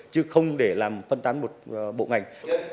chứ không để làm phân tán một bộ ngành